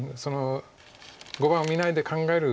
碁盤を見ないで考える。